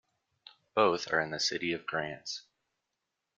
Both are in the city of Grants.